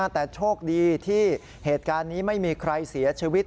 แต่โชคดีที่เหตุการณ์นี้ไม่มีใครเสียชีวิต